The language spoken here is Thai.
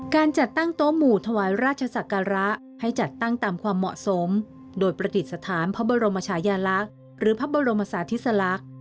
การจัดตั้งโต๊ะหมู่ถวายราชศักระให้จัดตั้งตามความเหมาะสมโดยประดิษฐานพระบรมชายาลักษณ์หรือพระบรมศาสติสลักษณ์